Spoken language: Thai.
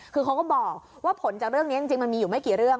คือเขาก็บอกว่าผลจากเรื่องนี้จริงมันมีอยู่ไม่กี่เรื่อง